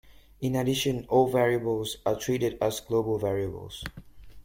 In addition, all variables are treated as global variables.